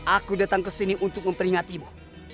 aku datang ke sini untuk memperingatimu